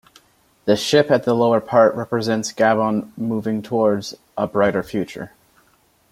The ship at the lower part represents Gabon moving towards a brighter future.